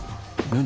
何？